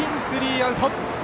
スリーアウト。